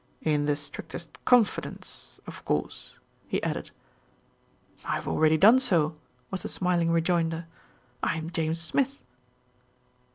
In the strictest confidence, of course," he added. "I have already done so," was the smiling rejoinder. "I am James Smith."